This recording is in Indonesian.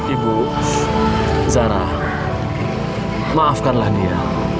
ibu zara maafkanlah dia